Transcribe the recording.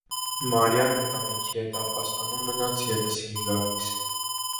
Մարիան ընտանիքի հետ ապաստանում մնաց ևս հինգ ամիս։